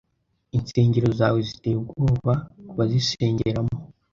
insengero zawe ziteye ubwoba kubazisengeramo